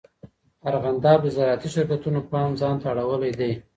ارغنداب د زراعتي شرکتونو پام ځان ته اړولی دی.